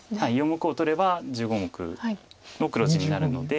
４目を取れば１５目の黒地になるので。